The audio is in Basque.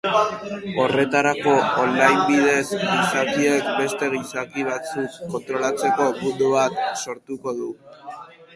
Horretarako, online bidez gizakiek beste gizaki batzuk kontrolatzeko mundu bat sortuko du.